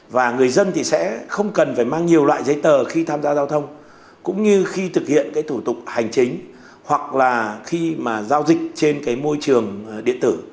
và người dân thì sẽ không cần phải mang nhiều loại giấy tờ khi tham gia giao thông cũng như khi thực hiện cái thủ tục hành chính hoặc là khi mà giao dịch trên cái môi trường điện tử